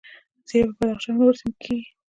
زیره په بدخشان او نورو سیمو کې کیږي